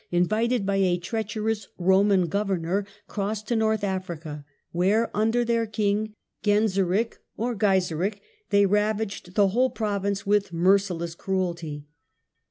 12 THE DAWN OF MEDIAEVAL EUROPE invited by a treacherous Koman governor, crossed to North Africa, where, under their king, Genseric (or Gaiseric) , they ravaged the whole province with merci less cruelty.